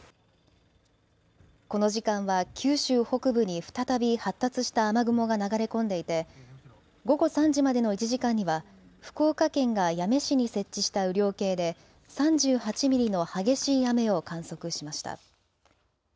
この時間は九州北部に再び発達した雨雲が流れ込んでいて午後３時までの１時間には福岡県が八女市に設置した雨量計で３８ミリの激しい雨を観測しました。